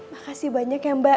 makasih banyak ya mbak